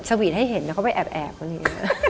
สวีทให้เห็นแล้วเขาไปแอบอะไรอย่างนี้